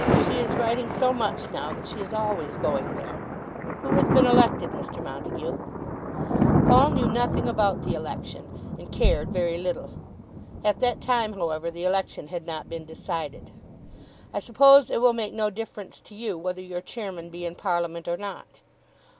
"She is writing so much now that she is always going there. Who has been elected, Mr. Montague?" Paul knew nothing about the election, and cared very little. At that time, however, the election had not been decided. "I suppose it will make no difference to you whether your chairman be in Parliament or not?"